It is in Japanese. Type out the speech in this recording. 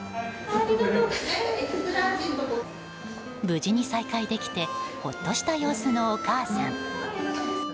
無事に再会できてほっとした様子のお母さん。